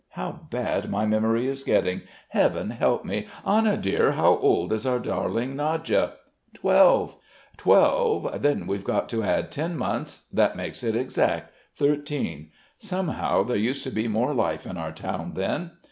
How bad my memory is getting, Heaven help me! Anna dear, how old is our darling Nadya? "Twelve." "Twelve ... then we've got to add ten months.... That makes it exact ... thirteen. Somehow there used to be more life in our town then....